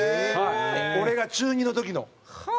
俺が中２の時の。